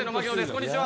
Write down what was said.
こんにちは」